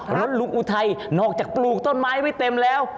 รถลุงอุทัยนอกจากปลูกต้นไม้ไม่เต็มแล้ว